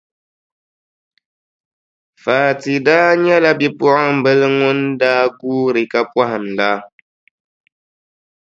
Fati daa nyɛla bipuɣimbila ŋun daa guuri ka pɔhim la.